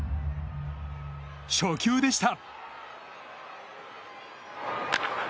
初球でした。